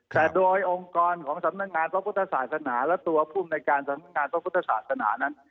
แต่โดยองค์กรของสำนักงานพระพุทธศาสนาและตัวภูมิในการสำนักงานพระพุทธศาสนานั้น